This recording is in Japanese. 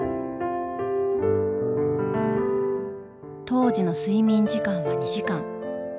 当時の睡眠時間は２時間。